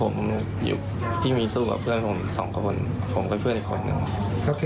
ผมอยู่ที่มีสู้กับเพื่อนผมสองคนผมกับเพื่อนอีกคนนึง